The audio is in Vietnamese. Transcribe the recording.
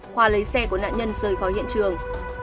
hòa lấy xe của nạn nhân rời khỏi hiện trường